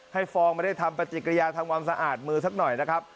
ฟองไม่ได้ทำปฏิกิริยาทำความสะอาดมือสักหน่อยนะครับ